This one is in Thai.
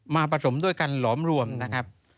ผสมด้วยกันหลอมรวมนะครับ